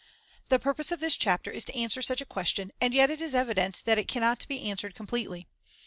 The purpose of this chapter is to answer such a question and yet it is evident that it cannot be answered completely.